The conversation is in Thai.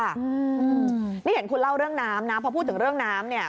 อืมนี่เห็นคุณเล่าเรื่องน้ำนะพอพูดถึงเรื่องน้ำเนี่ย